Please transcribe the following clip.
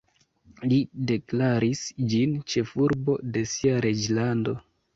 Li deklaris ĝin ĉefurbo de sia reĝlando.